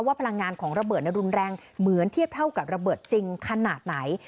พลังงานของระเบิดรุนแรงเหมือนเทียบเท่ากับระเบิดจริงขนาดไหน